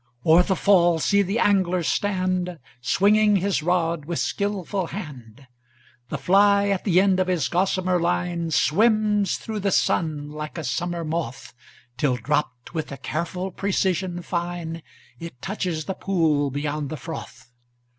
o'er the fall see the angler stand, Swinging his rod with skilful hand; The fly at the end of his gossamer line Swims through the sun like a summer moth, Till, dropt with a careful precision fine, It touches the pool beyond the froth.